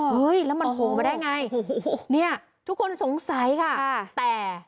อ๋อเฮ้ยแล้วมันโผล่มาได้ไงเนี่ยทุกคนสงสัยค่ะค่ะแต่